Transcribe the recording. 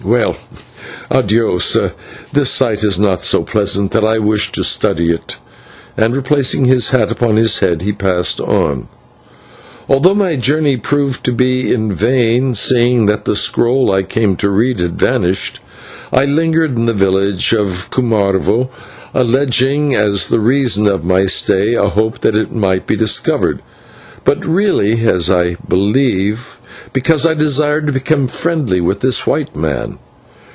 Well, /adios/, this sight is not so pleasant that I wish to study it," and replacing his hat upon his head, he passed on. Although my journey proved to be in vain, seeing that the scroll I came to read had vanished, I lingered in the village of Cumarvo, alleging as the reason of my stay a hope that it might be discovered, but really, as I believe, because I desired to become friendly with this white man.